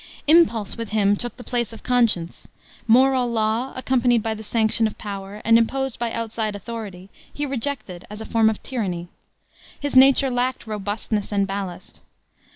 Impulse with him took the place of conscience. Moral law, accompanied by the sanction of power, and imposed by outside authority, he rejected as a form of tyranny. His nature lacked robustness and ballast.